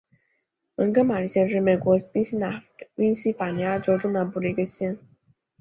蒙哥马利县是美国宾夕法尼亚州东南部的一个县。